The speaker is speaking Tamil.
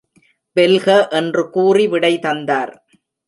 வெல்க என்று கூறி விடை தந்தார்.